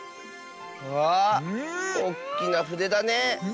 うわあおっきなふでだね。